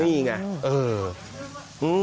นี่ไงเออ